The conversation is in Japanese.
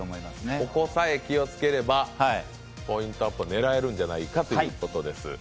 ここさえ気をつければポイントアップ狙えるんじゃないかということです。